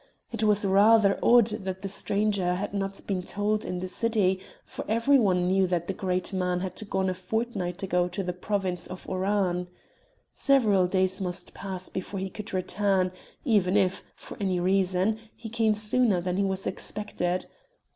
It was rather odd that the stranger had not been told in the city, for every one knew that the great man had gone a fortnight ago to the province of Oran. Several days must pass before he could return, even if, for any reason, he came sooner than he was expected.